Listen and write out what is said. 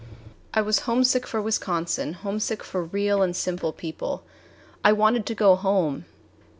I was homesick for Wisconsin, homesick for real and simple people. I wanted to go home!